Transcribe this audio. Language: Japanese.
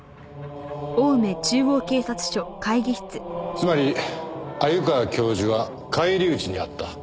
つまり鮎川教授は返り討ちにあった？